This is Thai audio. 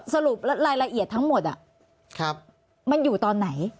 สรุปรายละเอียดทั้งหมดมันอยู่ตอนไหน